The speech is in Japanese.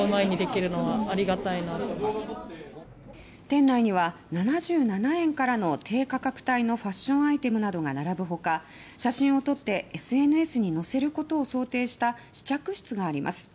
店内には７７円からの低価格帯のファッションアイテムなどが並ぶ他写真を撮ってＳＮＳに載せることを想定した試着室があります。